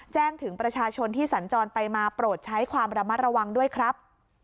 แจ้งถึงประชาชนที่สัญจรไปมาโปรดใช้ความระมัดระวังด้วยครับ